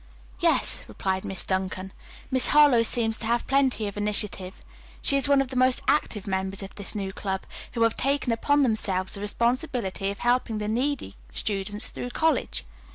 "Yes," replied Miss Duncan. "Miss Harlowe seems to have plenty of initiative. She is one of the most active members of this new club, who have taken upon themselves the responsibility of helping needy students through college.